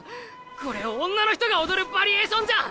これ女の人が踊るヴァリエーションじゃん。